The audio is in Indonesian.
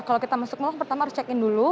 kalau kita masuk mulai pertama harus cekin dulu